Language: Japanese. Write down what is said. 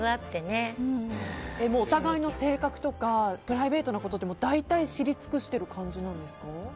お互いの性格とかプライベートのことって大体、知り尽くしている感じなんですか？